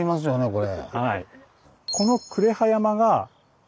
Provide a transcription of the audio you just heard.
これ。